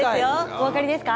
お分かりですか？